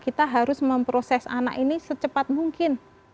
kita harus memproses anak ini secepat mungkin